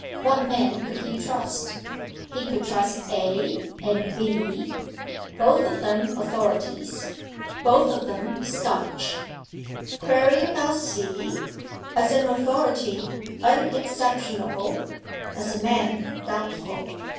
What men could he trust? He could trust A. and B. both of them authorities: both of them stanch. Query about C.? As an authority, unexceptionable; as a man, doubtful.